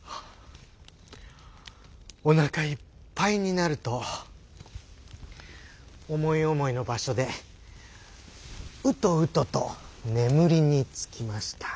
おなかいっぱいになると思い思いの場所でウトウトと眠りにつきました。